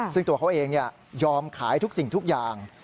ซึ่งตัวเขาเองยอมขายทุกสิ่งทุกอย่าง